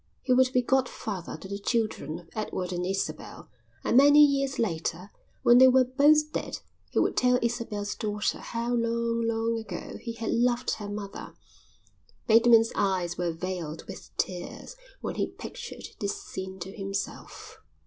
He would be godfather to the children of Edward and Isabel, and many years later when they were both dead he would tell Isabel's daughter how long, long ago he had loved her mother. Bateman's eyes were veiled with tears when he pictured this scene to himself.